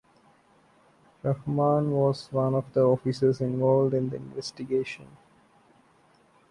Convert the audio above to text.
Rahman was one of the officers involved in the investigation.